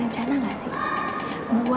dan cara untuk kongsil semuanya disam berusaha